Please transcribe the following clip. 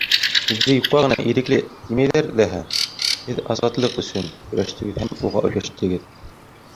Һеҙҙе юҡҡа ғына Ирекле тимәйҙәр ҙәһә! һеҙ азатлыҡ өсөн көрәштегеҙ һәм уға өлгәштегеҙ.